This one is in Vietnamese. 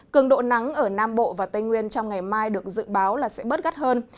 cường độ nắng ở nam bộ và tây nguyên trong ngày mai được dự báo là sẽ bớt gắt hơn